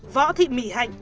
võ thị mỹ hạnh